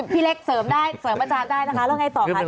พี่เล็กเสริมได้เสริมประจานได้นะคะ